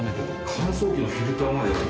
乾燥機のフィルターまで。